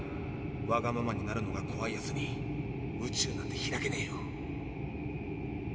ワガママになるのがこわいやつに宇宙なんてひらけねえよ。